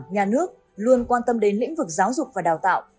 chúng ta quan tâm đến lĩnh vực giáo dục và đào tạo